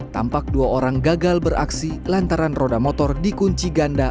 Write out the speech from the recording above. tampak dua orang gagal beraksi lantaran roda motor dikunci ganda